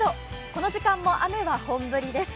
この時間も雨は本降りです。